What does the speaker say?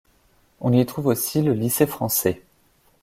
On y trouve aussi le lycée français.